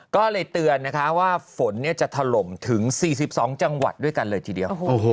ก็เลยเตือนนะคะว่าฝนจะถล่มถึง๔๒จังหวัดด้วยกันเลยทีเดียว